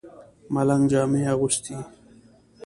ملنګ جامې اغوستې.